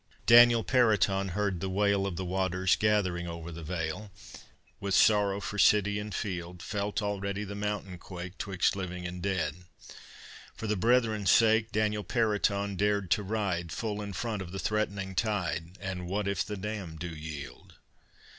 Daniel Periton heard the wail Of the waters gathering over the vale, With sorrow for city and field, Felt already the mountain quake 'Twixt living and dead. For the brethren's sake Daniel Periton dared to ride Full in front of the threatening tide, And what if the dam do yield?